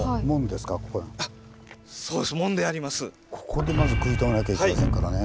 ここでまず食い止めなきゃいけませんからね。